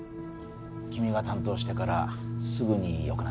君が担当してからすぐに良くなったな。